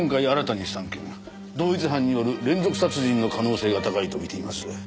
同一犯による連続殺人の可能性が高いと見ています。